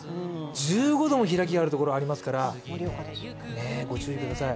１５度も開きがあるところがありますからご注意ください。